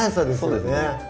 そうですね